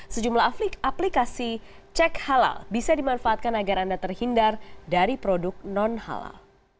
sejumlah aplikasi cek halal bisa dimanfaatkan agar anda terhindar dari produk non halal